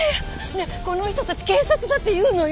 ねえこの人たち警察だって言うのよ！